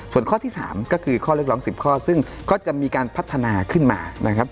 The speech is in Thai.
ส่วนข้อที่๓ก็คือข้อเรียกร้อง๑๐ข้อซึ่งก็จะมีการพัฒนาขึ้นมานะครับ